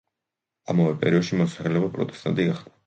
ამავე პერიოდში მოსახლეობა პროტესტანტი გახდა.